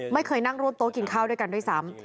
ไม่เคยนั่งร่วมโต๊ะกินข้าวด้วยกันด้วยซ้ำ